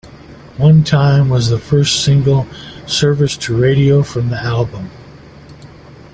"One Time" was the first single serviced to radio from the album.